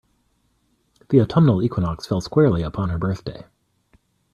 The autumnal equinox fell squarely upon her birthday.